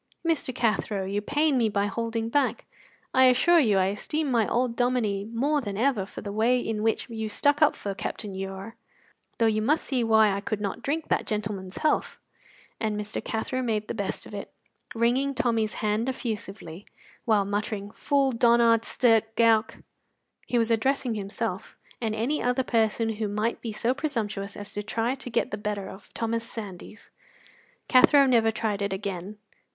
Mr. Cathro, you pain me by holding back; I assure you I esteem my old Dominie more than ever for the way in which you stuck up for Captain Ure, though you must see why I could not drink that gentleman's health." And Mr. Cathro made the best of it, wringing Tommy's hand effusively, while muttering, "Fool, donnard stirk, gowk!" He was addressing himself and any other person who might be so presumptuous as to try to get the better of Thomas Sandys. Cathro never tried it again.